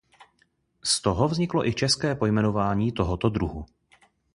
Z toho vzniklo i české pojmenování tohoto druhu.